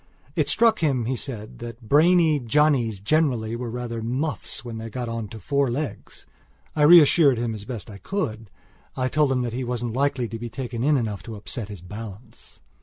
It struck him, he said, that brainy Johnnies generally were rather muffs when they got on to four legs. I reassured him as best I could. I told him that he wasn't likely to take in enough to upset his balance.